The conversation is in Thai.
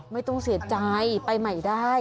ไม่ต้องเสียใจไปใหม่ได้